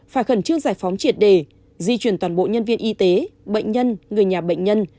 phải khẩn trương giải phóng triệt đề di chuyển toàn bộ nhân viên y tế bệnh nhân người nhà bệnh nhân